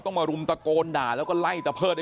ต้องมาป้องเพื่อนมาปกป้องเพื่อน